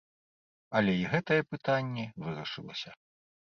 Але і гэтае пытанне вырашылася.